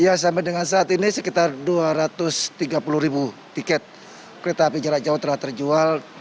ya sampai dengan saat ini sekitar dua ratus tiga puluh ribu tiket kereta api jarak jauh telah terjual